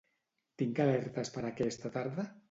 Tinc alertes per aquesta tarda?